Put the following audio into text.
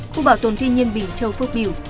khu bảo tồn thiên nhiên bình châu phước biểu